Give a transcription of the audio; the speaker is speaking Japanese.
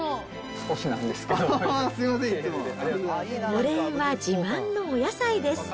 お礼は自慢のお野菜です。